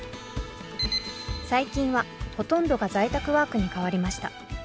最近はほとんどが在宅ワークに変わりました。